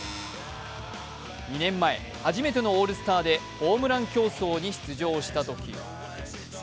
２年前、初めてのオールスターでホームラン競争に出場したとき。